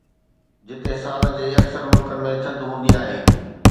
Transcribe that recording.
جتي سال جي اڪثر ملڪن ۾ ٿڌ هوندي آهي